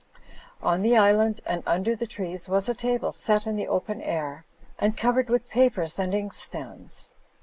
On the island and under the trees was a table set in the open air and covered with papers and inkstands.